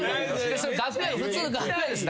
普通の楽屋です。